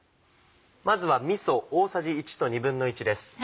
まずはみそ大さじ１と１／２です。